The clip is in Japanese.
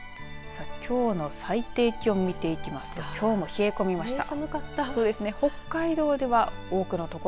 さあ、きょうの最低気温見ていきますと冷え込みました。